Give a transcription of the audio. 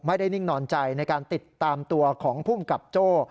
นิ่งนอนใจในการติดตามตัวของภูมิกับโจ้